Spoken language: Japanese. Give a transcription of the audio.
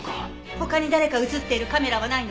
他に誰か映っているカメラはないの？